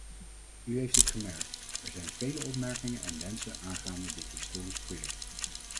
U heeft het gemerkt: er zijn vele opmerkingen en wensen aangaande dit historisch project.